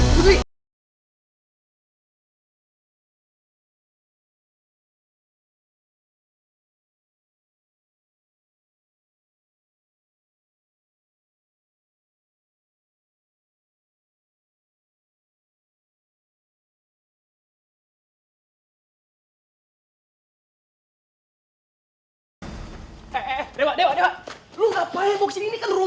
putri kepalin di pinggang lu